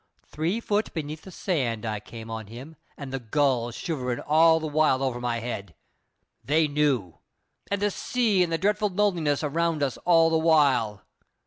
Three foot beneath the sand I came on him, an' the gulls sheevoing all the while over my head. They knew. And the sea and the dreadful loneliness around us all the while.